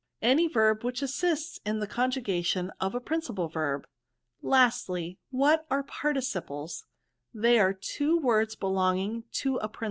" Any verb which assists in the conjugation of a principal verb." *^ Lastly, what are participles?" " They are two words belonging to a prin